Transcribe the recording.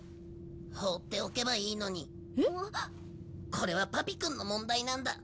これはパピくんの問題なんだ。